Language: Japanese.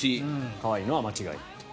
可愛いのは間違いない。